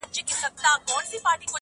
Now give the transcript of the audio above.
دښایستونو خدایه اور ته به مي سم نیسې.